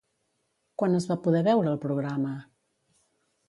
Quan es va poder veure el programa?